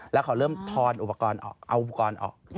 แล้วเขาเริ่มทอนอุปกรณ์ออกเอาอุปกรณ์ออก